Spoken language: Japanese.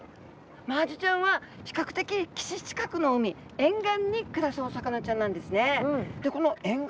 マアジちゃんは比較的岸近くの海沿岸に暮らすお魚ちゃんなんですね。